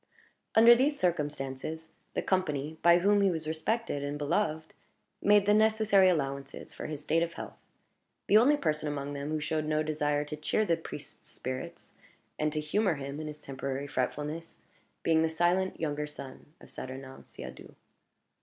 Under these circumstances, the company, by whom he was respected and beloved, made the necessary allowances for his state of health; the only person among them who showed no desire to cheer the priest's spirits, and to humor him in his temporary fretfulness, being the silent younger son of Saturnin Siadoux.